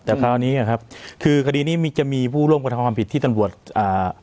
แต่คราวนี้อ่ะครับคือคดีนี้มีจะมีผู้ร่วมกระทำความผิดที่ตำรวจอ่า